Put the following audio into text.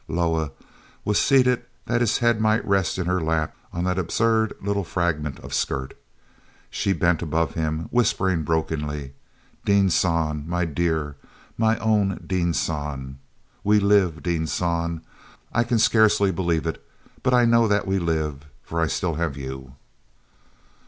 Loah was seated that his head might rest in her lap on that absurd little fragment of skirt. She bent above him, whispering brokenly: "Dean San—my dear—my own Dean San! We live, Dean San. I can scarcely believe it, but I know that we live, for I still have you."